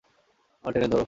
পাল টেনে ধরো!